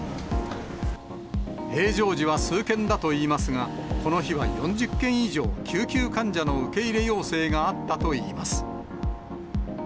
平常時は数件だといいますが、この日は４０件以上、救急患者の受け入れ要請があったといいます。